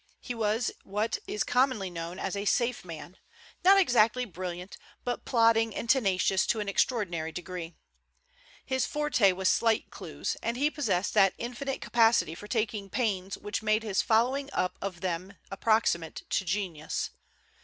He was what is commonly known as a safe man, not exactly brilliant, but plodding and tenacious to an extraordinary degree. His forte was slight clues, and he possessed that infinite capacity for taking pains which made his following up of them approximate to genius.